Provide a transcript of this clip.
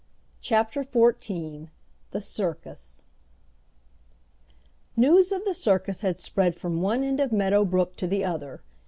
CHAPTER XIV THE CIRCUS News of the circus had spread from one end of Meadow Brook to the other.